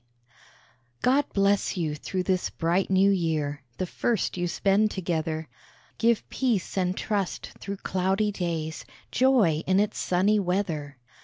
God bless you thro' this bright new year, The first you spend together; Give peace and trust thro' cloudy days, Joy in its sunny weather.